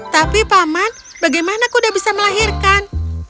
tapi paman bagaimana kuda bisa melahirkan